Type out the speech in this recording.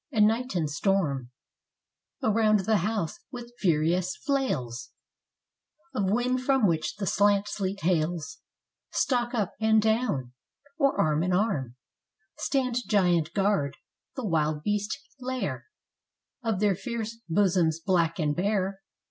And night and storm Around the house, with furious flails Of wind, from which the slant sleet hails, Stalk up and down; or, arm in arm, Stand giant guard; the wild beast lair Of their fierce bosoms black and bare....